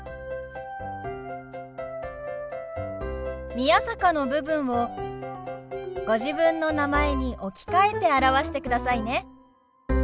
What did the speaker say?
「宮坂」の部分をご自分の名前に置き換えて表してくださいね。